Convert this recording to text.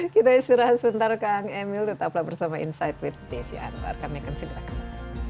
kita istirahat sebentar kang emil tetaplah bersama insight with desi anwar kami akan segera kembali